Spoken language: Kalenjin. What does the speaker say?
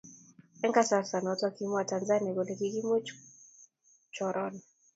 eng kasarta noto kimwa tanzania kole kikomuch chorona